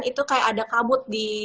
itu kayak ada kabut di